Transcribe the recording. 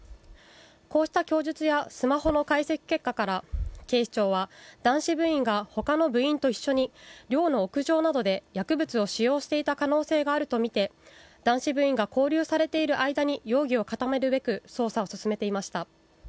こうした供述やスマホの解析結果から警視庁は男子部員が他の部員と一緒に寮の屋上などで使用していた可能性があるとみて男子部員が勾留されている間に容疑を固めるべく、捜査を進めていました。